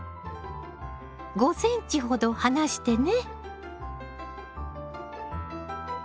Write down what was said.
５ｃｍほど離してね。